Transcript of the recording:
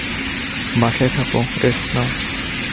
বাসায় থাক, রেষ্ট নাও!